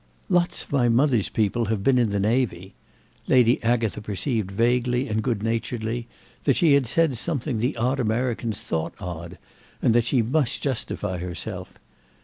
"Lots of my mother's people have been in the navy." Lady Agatha perceived vaguely and good naturedly that she had said something the odd Americans thought odd and that she must justify herself.